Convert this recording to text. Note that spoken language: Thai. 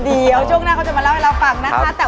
เดี๋ยวช่วงหน้าเขาจะมาเล่าให้เราฟังนะคะ